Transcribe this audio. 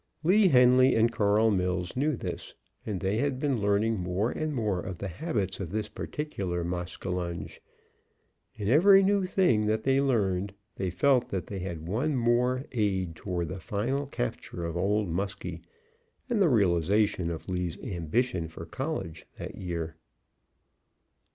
Lee Henly and Carl Mills knew this, and they had been learning more and more of the habits of this particular maskinonge. In every new thing that they learned, they felt that they had one more aid toward the final capture of Old Muskie and the realization of Lee's ambition for college that year.